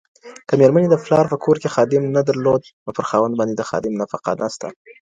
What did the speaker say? که ميرمني دپلارپه کور کي خادم نه درلود، نوپرخاوند باندي د خادم نفقه نسته.